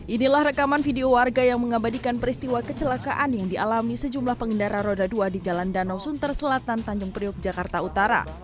inilah rekaman video warga yang mengabadikan peristiwa kecelakaan yang dialami sejumlah pengendara roda dua di jalan danau sunter selatan tanjung priuk jakarta utara